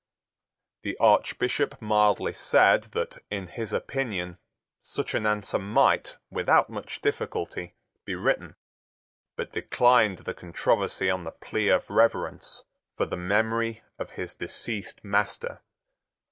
The Archbishop mildly said that, in his opinion, such an answer might, without much difficulty, be written, but declined the controversy on the plea of reverence for the memory of his deceased master.